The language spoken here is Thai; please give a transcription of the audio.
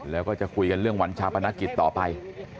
แล้วก็จะคุยกันเรื่องวันชาปนกิจต่อไป